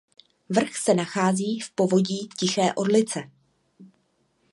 Vrch se nachází v povodí Tiché Orlice.